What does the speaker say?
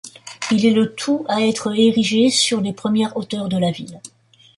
Il est le tout à être érigé sur les premières hauteurs de la ville.